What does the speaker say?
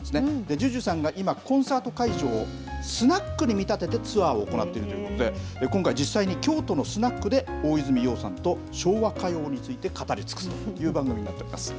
ＪＵＪＵさんがことしコンサート会場をスナックに見立ててツアーを行っているということで実際に京都のスナックで大泉洋さんと昭和歌謡について語り尽くすという番組になっています。